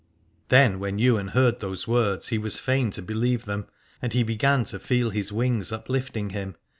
Then when Ywain heard those words he was fain to believe them, and he began to feel his wings uplifting him.